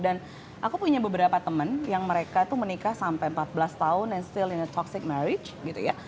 dan aku punya beberapa temen yang mereka tuh menikah sampai empat belas tahun and still in a toxic marriage gitu ya